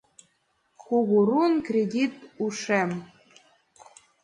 КУГУНУР КРЕДИТ УШЕМ